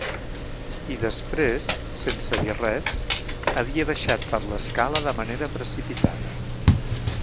I després, sense dir res, havia baixat per l'escala de manera precipitada.